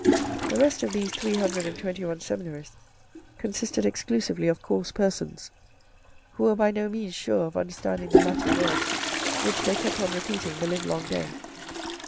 The rest of these three hundred and twenty one seminarists consisted exclusively of coarse persons, who were by no means sure of understanding the Latin words which they kept on repeating the livelong day.